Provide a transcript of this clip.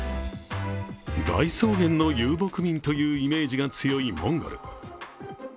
大草原の遊牧民というイメージが強いモンゴル。